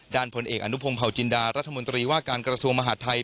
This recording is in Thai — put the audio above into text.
ผลเอกอนุพงศ์เผาจินดารัฐมนตรีว่าการกระทรวงมหาดไทย